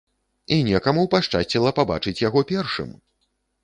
І некаму пашчасціла пабачыць яго першым!